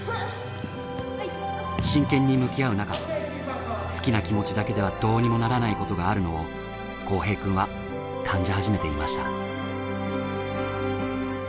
真剣に向き合うなか好きな気持ちだけではどうにもならないことがあるのを幸平くんは感じ始めていました。